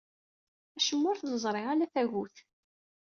Acemma ur t-neẓri ala tagut.